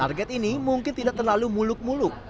target ini mungkin tidak terlalu muluk muluk